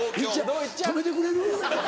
泊めてくれる？